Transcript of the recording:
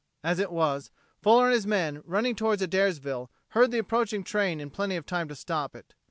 As it was, Fuller and his men, running towards Adairsville, heard the approaching train in plenty of time to stop it.